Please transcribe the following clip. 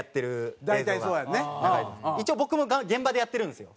一応僕も現場でやってるんですよ。